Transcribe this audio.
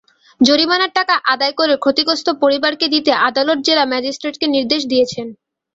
জরিমানার টাকা আদায় করে ক্ষতিগ্রস্ত পরিবারকে দিতে আদালত জেলা ম্যাজিস্ট্রেটকে নির্দেশ দিয়েছেন।